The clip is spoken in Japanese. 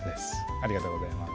ありがとうございます